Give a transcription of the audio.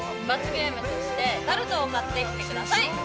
罰ゲームとしてタルトを買ってきてください。